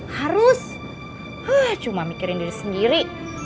harus hah cuma mikirin diri sendiri